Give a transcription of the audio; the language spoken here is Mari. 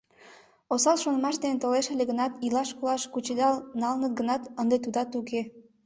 Осал шонымаш дене толеш ыле гынат, илаш-колаш кучедал налыныт гынат, ынде тудат уке.